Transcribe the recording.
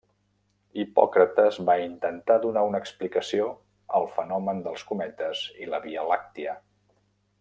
Hipòcrates va intentar donar una explicació al fenomen dels cometes i la Via Làctia.